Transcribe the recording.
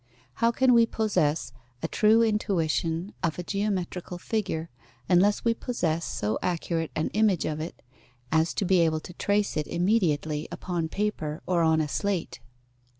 How can we possess a true intuition of a geometrical figure, unless we possess so accurate an image of it as to be able to trace it immediately upon paper or on a slate?